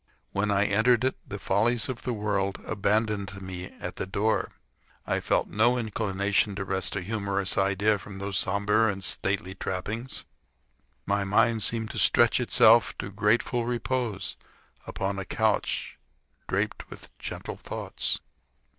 When I entered it, the follies of the world abandoned me at the door. I felt no inclination to wrest a humorous idea from those sombre and stately trappings. My mind seemed to stretch itself to grateful repose upon a couch draped with gentle thoughts.